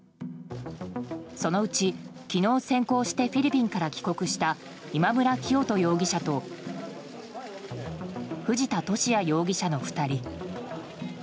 そのうち、昨日先行してフィリピンから帰国した今村磨人容疑者と藤田聖也容疑者の２人。